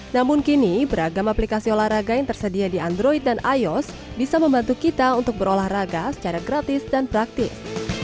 namun kini beragam aplikasi olahraga yang tersedia di android dan ios bisa membantu kita untuk berolahraga secara gratis dan praktis